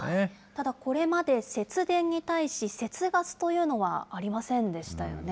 ただこれまで、節電に対し、節ガスというのはありませんでしたよね。